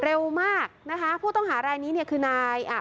เร็วมากนะคะผู้ต้องหารายนี้เนี่ยคือนายอ่ะ